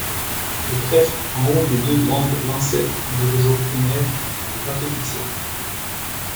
Les trèfles en haut des deux grandes lancettes du réseau primaire ont rapétissé.